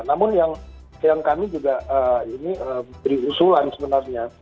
namun yang kami juga ini beri usulan sebenarnya